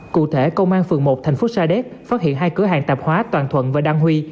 cụ thể công an phường một thành phố sa đéc phát hiện hai cửa hàng tạp hóa toàn thuận và đăng huy